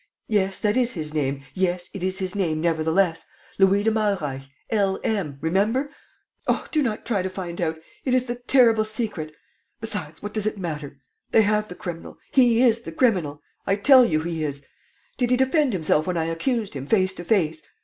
Yes, that is his name ... yes, it is his name nevertheless. ... Louis de Malreich. ... L. M. ... Remember. ... Oh, do not try to find out ... it is the terrible secret. ... Besides, what does it matter? ... They have the criminal. ... He is the criminal. ... I tell you he is. Did he defend himself when I accused him, face to face?